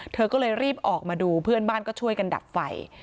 เธอก็เลยรีบออกมาดูเพื่อนบ้านก็ช่วยกันดับไฟ